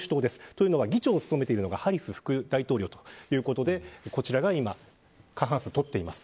というのは、議長を務めているのがハリス副大統領ということでこちらが過半数を取っています。